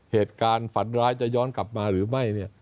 เหตุการณ์ฝันร้ายจะย้อนกลับมาหรือไม่